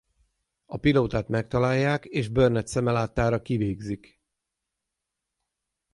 A pilótát megtalálják és Burnett szeme láttára kivégzik.